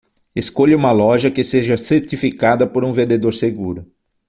Escolha uma loja que seja certificada por um vendedor seguro